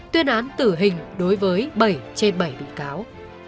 tuyên án tử hình đối với bảy trên bảy bị cáo